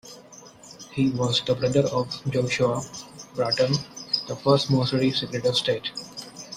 He was the brother of Joshua Barton, the first Missouri Secretary of State.